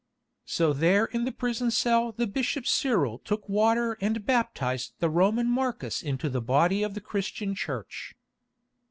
So there in the prison cell the bishop Cyril took water and baptised the Roman Marcus into the body of the Christian Church.